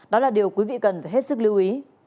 đó là điều quý vị cần phải hết sức lưu ý